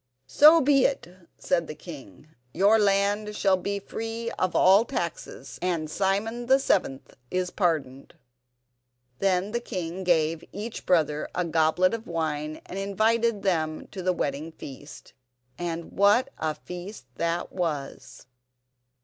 "So be it," said the king; "your land shall be free of all taxes, and Simon the seventh is pardoned." Then the king gave each brother a goblet of wine and invited them to the wedding feast. And what a feast that was!